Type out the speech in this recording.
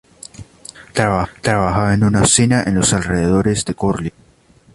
Trabajaba en una usina en los alrededores de Görlitz.